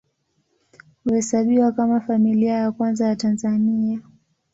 Huhesabiwa kama Familia ya Kwanza ya Tanzania.